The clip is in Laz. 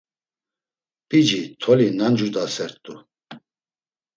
P̌ici toli nancudasert̆u.